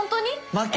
負け！